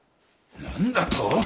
何だと！？